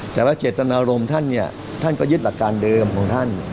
แต่ว่าเจตนารมณ์ท่านเนี่ยท่านก็ยึดหลักการเดิมของท่าน